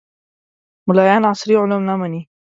ملایان عصري علوم نه مني